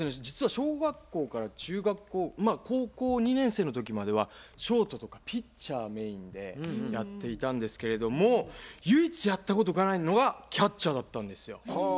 実は小学校から中学校まあ高校２年生の時まではショートとかピッチャーメインでやっていたんですけれども唯一やったことがないのがキャッチャーだったんですよ。